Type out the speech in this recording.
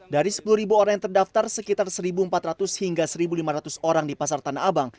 dari sepuluh orang yang terdaftar sekitar satu empat ratus hingga satu lima ratus orang di pasar tanah abang